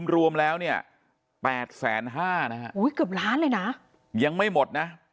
รวมแล้วเนี่ย๘๕๐๐นะฮะเกือบล้านเลยนะยังไม่หมดนะ